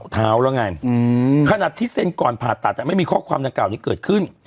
เท้าแล้วไงขนาดที่เซ็นก่อนผ่าตัดไม่มีข้อความดังกล่านี้เกิดขึ้น